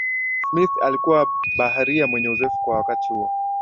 smith alikuwa baharia mwenye uzoefu kwa wakati huo